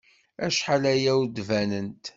Acḥal aya ur d-banent.